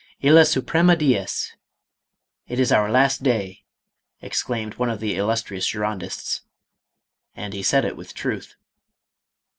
" Ilia s.uprema dies," it is our last day, exclaimed one of the illustrious Girondists, and he said it with truth.